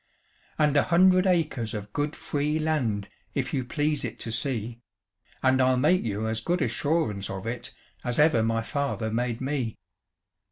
"And a hundred acres of good free land, If you please it to see: And I'll make you as good assurance of it, As ever my father made me."